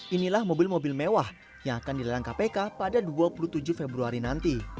inilah mobil mobil mewah yang akan dilelang kpk pada dua puluh tujuh februari nanti